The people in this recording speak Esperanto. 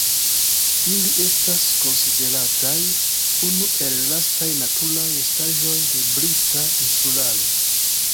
Ili estas konsiderataj unu el la lastaj naturaj restaĵoj de Brita Insularo.